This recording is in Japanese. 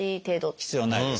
必要ないです。